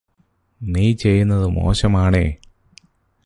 നീ ചെയ്യുന്നത് മോശമാണേ.